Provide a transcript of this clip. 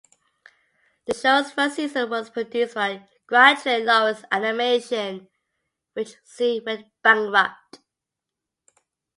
The show's first season was produced by Grantray-Lawrence Animation, which soon went bankrupt.